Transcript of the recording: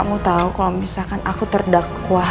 kamu tau kalau misalkan aku terdakwa